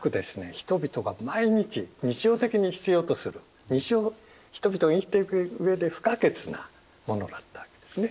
人々が毎日日常的に必要とする日常の人々が生きていく上で不可欠なものだったわけですね。